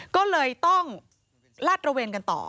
ก็เลยต้องลาดระเวนกันต่อ